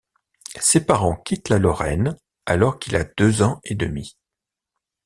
Ses parents quittent la Lorraine alors qu'il a deux ans et demi.